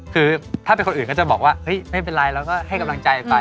คือถ้าเป็นคนอื่นก็จะบอกว่าเฮ้ยไม่เป็นไรเราก็ให้กำลังใจไป